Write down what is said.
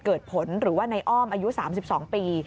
เกิดผลหรือว่าในอ้อมอายุ๓๒ปี